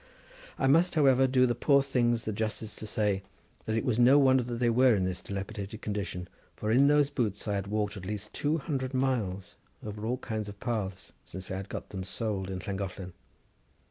I must, however, do the poor things the justice to say that it was no wonder that they were in this dilapidated condition, for in those boots I had walked at least two hundred miles, over all kinds of paths, since I had got them soled at Llangollen.